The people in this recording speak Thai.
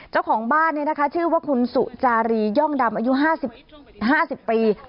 เจ้าของบ้านชื่อว่าคุณสุจารีย่องดำอายุ๕๐ปี